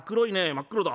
真っ黒だ。